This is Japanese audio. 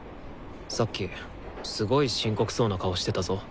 さっきすごい深刻そうな顔してたぞ。